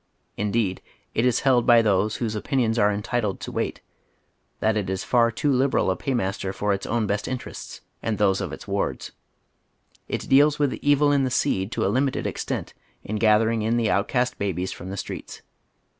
Indeed, it is held by those whose opinions are entitled to weight tliat it is far too liberal a paymaster for its own best interests and those of its wards. It deals with the evil in the seed to a limited extent in gathering in the outcast babies from the streets.